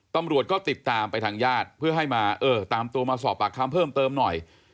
ตำรวจก็ติดตามไปทางญาติเพื่อให้มาเออตามตัวมาสอบปากคำเพิ่มเติมหน่อย